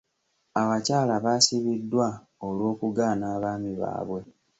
Abakyala baasibiddwa olw'okugaana abaami baabwe.